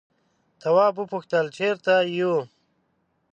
تواب وپوښتل چیرته یو.